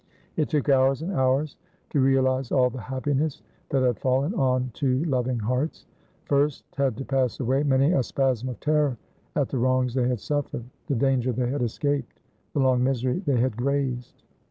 It took hours and hours to realize all the happiness that had fallen on two loving hearts. First had to pass away many a spasm of terror at the wrongs they had suffered, the danger they had escaped, the long misery they had grazed.